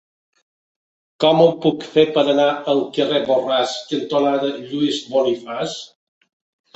Com ho puc fer per anar al carrer Borràs cantonada Lluís Bonifaç?